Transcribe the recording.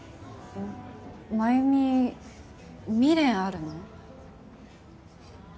繭美未練あるの？